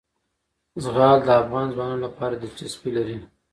زغال د افغان ځوانانو لپاره دلچسپي لري.